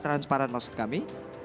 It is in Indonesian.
transparan maksud kami